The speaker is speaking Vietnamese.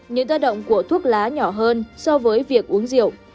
những tác động của thuốc lá nhỏ hơn so với việc uống rượu